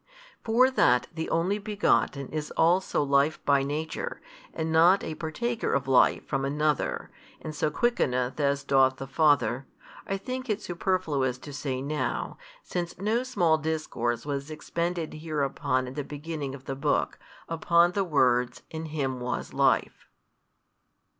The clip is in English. For that the Only Begotten is also Life by Nature, and not a partaker of life from another, and so quickeneth as doth the Father, I think it superfluous to say now, since no small discourse was expended hereupon in the beginning of the book, upon the words, In Him was Life.